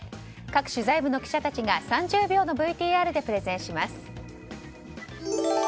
各取材部の記者たちが３０秒のＶＴＲでプレゼンします。